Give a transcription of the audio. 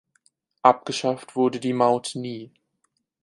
Abgeschafft wurde die Maut nie.